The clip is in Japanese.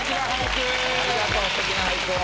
ありがとうすてきな俳句を。